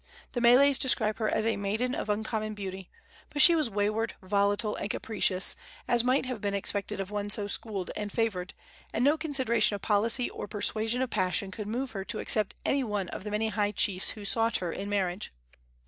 The meles describe her as a maiden of uncommon beauty; but she was wayward, volatile and capricious, as might have been expected of one so schooled and favored, and no consideration of policy or persuasion of passion could move her to accept any one of the many high chiefs who sought her in marriage.